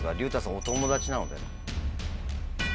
お友達なのでね。